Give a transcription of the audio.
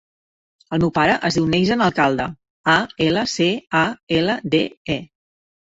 El meu pare es diu Neizan Alcalde: a, ela, ce, a, ela, de, e.